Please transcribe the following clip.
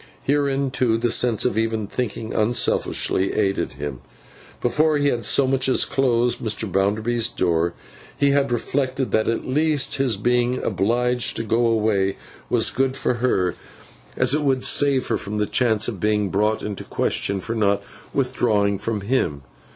Herein, too, the sense of even thinking unselfishly aided him. Before he had so much as closed Mr. Bounderby's door, he had reflected that at least his being obliged to go away was good for her, as it would save her from the chance of being brought into question for not withdrawing from him.